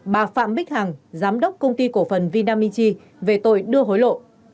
bà phạm bích hằng giám đốc công ty cổ phần vinamichi về tội đưa hối lộ